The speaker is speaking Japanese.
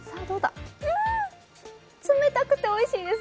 うーん、冷たくておいしいです。